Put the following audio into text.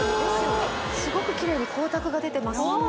すごくキレイに光沢が出てますうわ